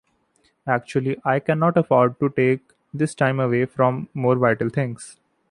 Actually, I cannot afford to take this time away from more vital things.